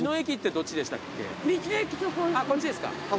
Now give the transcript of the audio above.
こっちですか。